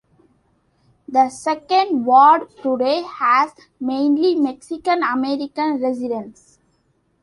The Second Ward today has mainly Mexican American residents.